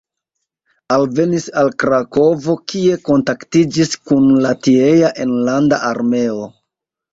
Alvenis al Krakovo, kie kontaktiĝis kun la tiea Enlanda Armeo.